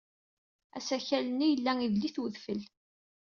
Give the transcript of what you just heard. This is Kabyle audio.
Asakal-nni yella idel-it udfel.